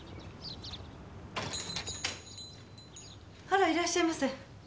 あらいらっしゃいませ。